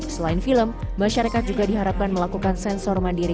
selain film masyarakat juga diharapkan melakukan sensor mandiri